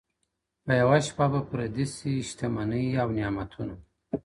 په یوه شپه به پردي سي شتمنۍ او نعمتونه٫